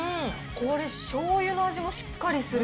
これ、しょうゆの味もしっかりする。